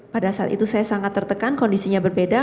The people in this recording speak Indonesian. pada saat itu saya sangat tertekan kondisinya berbeda